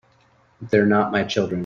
They're not my children.